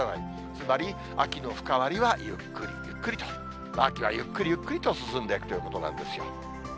つまり、秋の深まりはゆっくりゆっくりと、秋はゆっくりゆっくりと進んでいくということなんですよ。